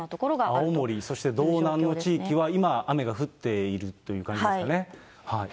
青森、そして道南の地域は今雨が降っているという感じですかね。